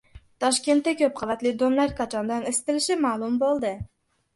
Toshkentda ko‘p qavatli domlar qachondan isitilishi ma’lum bo‘ldi